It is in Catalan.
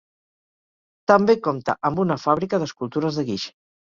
També compta amb una fàbrica d'escultures de guix.